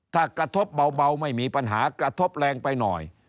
ถ้ากระทบเบาไม่มีปัญหากระทบแรงไปหน่อย